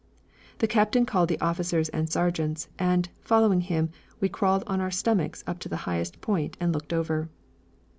The captain called the officers and sergeants, and, following him, we crawled on our stomachs up to the highest point and looked over.